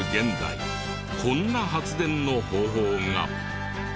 こんな発電の方法が。